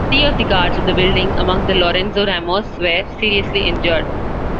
Three of the guards of the building, among them Lorenzo Ramos, were seriously injured.